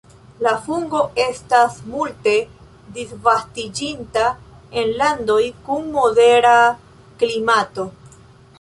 La fungo estas multe disvastiĝinta en landoj kun modera klimato.